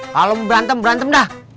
kalo mau berantem berantem dah